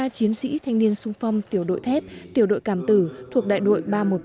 một mươi ba chiến sĩ thanh niên sung phong tiểu đội thép tiểu đội cảm tử thuộc đại đội ba trăm một mươi bảy